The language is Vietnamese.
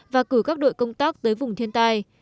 và cử các đội công tác tới vùng thiên tai